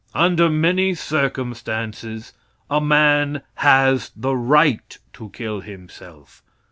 Under many circumstances a man has the right to kill himself.